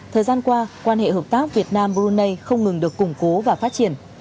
thời gian qua quan hệ hợp tác việt nam brunei không ngừng được củng cố và phát triển